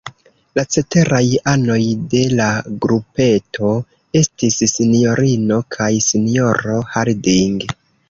La ceteraj anoj de la grupeto estis sinjorino kaj sinjoro Harding.